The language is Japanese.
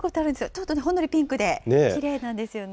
ちょっとほんのりピンクで、きれいなんですよね。